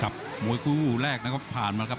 ครับมวยกุ้งรออุ่นแรกนี้ก็ผ่านมาครับ